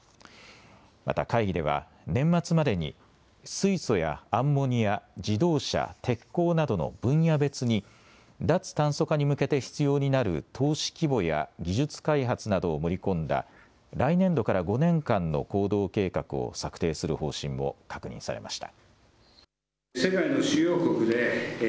また会議では年末までに水素やアンモニア、自動車、鉄鋼などの分野別に脱炭素化に向けて必要になる投資規模や技術開発などを盛り込んだ来年度から５年間の行動計画を策定する方針も確認されました。